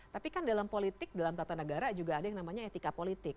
tapi kan dalam politik dalam tata negara juga ada yang namanya etika politik